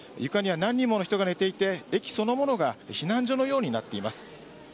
床には何人もの人が寝ていて駅そのものが避難所のようになっています。